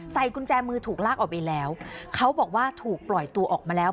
กุญแจมือถูกลากออกไปแล้วเขาบอกว่าถูกปล่อยตัวออกมาแล้ว